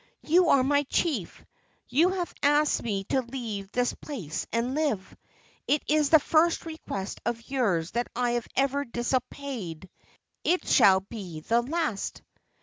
You are my chief. You have asked me to leave this place and live. It is the first request of yours that I have ever disobeyed. It shall be the last!"